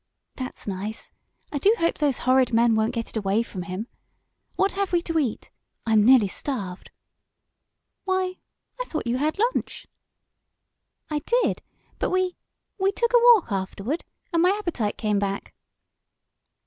"That's nice. I do hope those horrid men won't get it away from him. What have we to eat? I'm nearly starved." "Why, I thought you had lunch." "I did, but we we took a walk afterward, and my appetite came back."